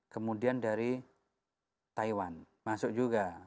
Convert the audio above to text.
kemudian dari taiwan masuk juga